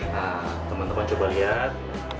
nah temen temen coba lihat